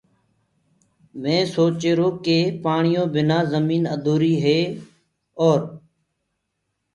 مينٚ سوچهيرو ڪي پآڻيو بنآ جمين اڌوريٚ هي اور